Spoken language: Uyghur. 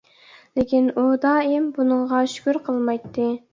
لېكىن ئۇ دائىم، بۇنىڭغا شۈكۈر قىلمايتتى.